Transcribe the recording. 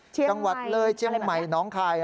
เชี่ยงใหม่เชี่ยงใหม่น้องคาย